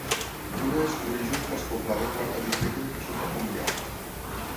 Bruna descobreix un flascó pla de quart de litre que li resulta familiar.